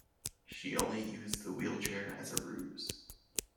She only used the wheelchair as a ruse.